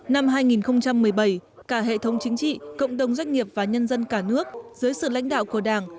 năm hai nghìn một mươi bảy cả hệ thống chính trị cộng đồng doanh nghiệp và nhân dân cả nước dưới sự lãnh đạo của đảng